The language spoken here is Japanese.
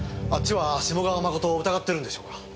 あっちは志茂川真を疑ってるんでしょうか？